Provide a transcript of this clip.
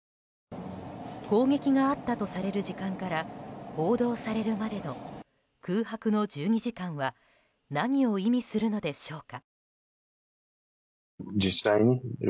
攻撃があったとされる時間から報道されるまでの空白の１２時間は何を意味するのでしょうか。